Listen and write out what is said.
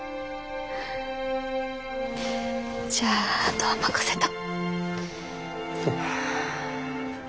じゃああとは任せた。